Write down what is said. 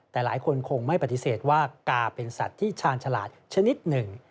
แต่หลายคนคงไม่ปฏิเสธว่ากาเป็นสัตว์ที่ชาญฉลาดชนิดหนึ่ง